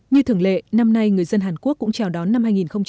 như thường lệ năm nay người dân hàn quốc cũng chào đón năm hai nghìn hai mươi